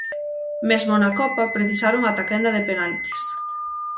Mesmo na Copa precisaron ata quenda de penaltis.